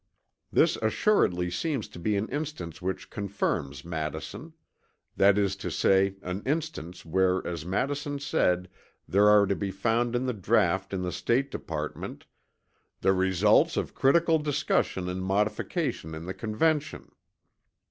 This assuredly seems to be an instance which confirms Madison; that is to say an instance where as Madison said there are to be found in the draught in the State Department, "the results of critical discussion and modification in the Convention."